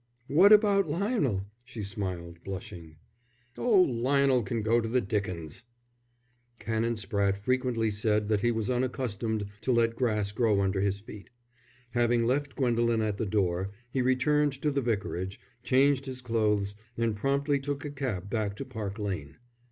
"What about Lionel?" she smiled, blushing. "Oh, Lionel can go to the dickens." Canon Spratte frequently said that he was unaccustomed to let grass grow under his feet. Having left Gwendolen at the door, he returned to the Vicarage, changed his clothes, and promptly took a cab back to Park Lane.